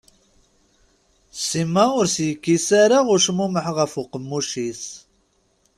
Sima ur as-yekkis ara ucmumeḥ ɣef uqemmuc-is.